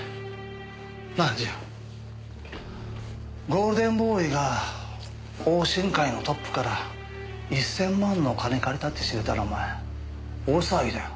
ゴールデンボーイが桜心会のトップから１０００万の金借りたって知れたらお前大騒ぎだよ。